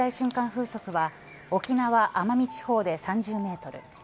風速は沖縄、奄美地方で３０メートル